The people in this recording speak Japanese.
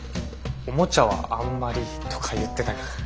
おもちゃはあんまりとか言ってたけど。